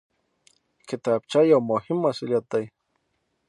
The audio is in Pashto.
کتابچه یو مهم مسؤلیت دی